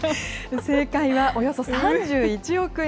正解はおよそ３１億円。